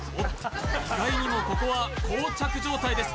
意外にもここはこう着状態です。